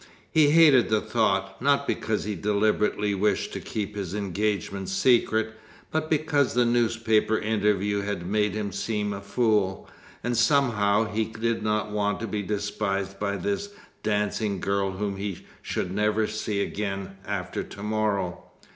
He hated the thought, not because he deliberately wished to keep his engagement secret, but because the newspaper interview had made him seem a fool, and somehow he did not want to be despised by this dancing girl whom he should never see again after to morrow.